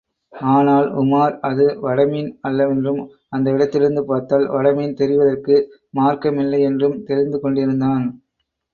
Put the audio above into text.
ஆனால் உமார் அது வடமீன் அல்லவென்றும் அந்த இடத்திலிருந்து பார்த்தால் வடமீன் தெரிவதற்கு மார்க்கமில்லையென்றும் தெரிந்து கொண்டிருந்தான்.